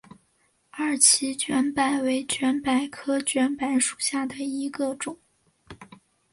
二歧卷柏为卷柏科卷柏属下的一个种。